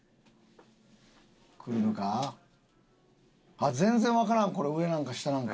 あっ全然わからんこれ上なんか下なんか。